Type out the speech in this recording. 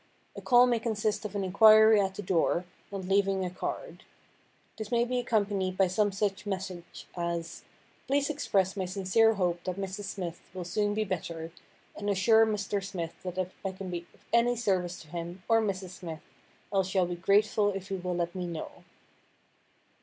A call may consist of an inquiry at the door, and leaving a card. This may be accompanied by some such message as, "Please express my sincere hope that Mrs. Smith will soon be better, and assure Mr. Smith that if I can be of any service to him, or Mrs. Smith, I shall be grateful if he will let me know."